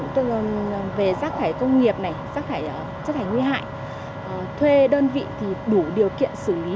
tức là về chất thải công nghiệp này chất thải nguy hại thuê đơn vị thì đủ điều kiện xử lý